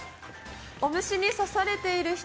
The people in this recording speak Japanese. お虫に刺されている人。